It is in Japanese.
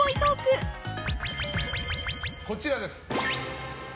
こちらです！